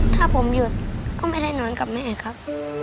ถ้าผมหยุดก็ไม่ได้นอนกับแม่ครับ